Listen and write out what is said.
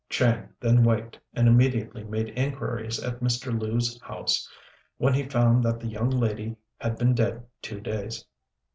Chang then waked, and immediately made inquiries at Mr. Lu's house, when he found that the young lady had been dead two days.